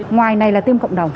ngoài này là tiêm cộng đồng